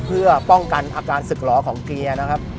เพื่อป้องกันอาการศึกหล่อของเกียร์นะครับ